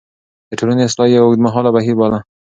د ټولنې اصلاح يې اوږدمهاله بهير باله.